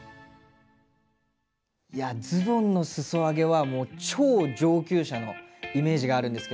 いやズボンのすそ上げはもう超上級者のイメージがあるんですけど。